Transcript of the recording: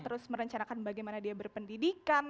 terus merencanakan bagaimana dia berpendidikan